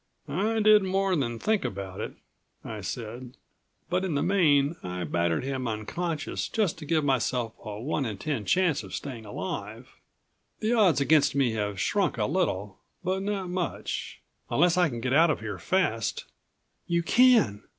"I did more than think about it," I said. "But in the main I battered him unconscious just to give myself a one in ten chance of staying alive. The odds against me have shrunk a little, but not much. Unless I can get out of here fast " "You can!"